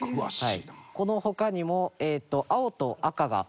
この他にも青と赤が。